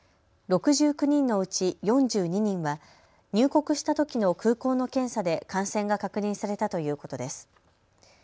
６９人のうち４２人は入国したときの空港の検査で感染が確認されたということです。